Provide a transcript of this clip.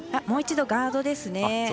もう一度、ガードですね。